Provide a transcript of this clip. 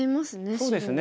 そうですね。